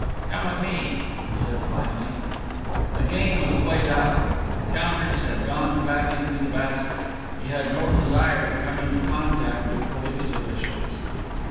"Come with me," he said, finally. The game was played out; the counters had gone back to the basket. He had no desire to come into contact with police officials.